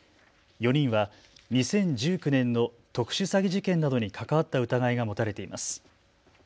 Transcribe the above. ４人は２０１９年の特殊詐欺事件などに関わった疑いが持たれています。